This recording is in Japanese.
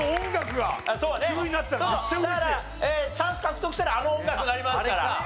だからチャンス獲得したらあの音楽鳴りますから。